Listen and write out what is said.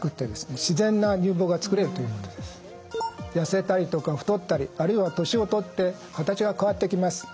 痩せたりとか太ったりあるいは年を取って形が変わってきます。